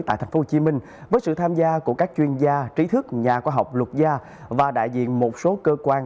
tại tp hcm với sự tham gia của các chuyên gia trí thức nhà khoa học luật gia và đại diện một số cơ quan